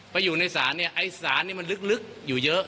ไปอยู่ในศาลเนี่ยไอ้สารนี่มันลึกอยู่เยอะ